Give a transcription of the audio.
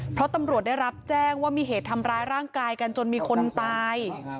เพราะตำรวจได้รับแจ้งว่ามีเหตุทำร้ายร่างกายกันจนมีคนตาย